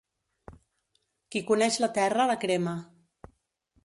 Qui coneix la terra, la crema.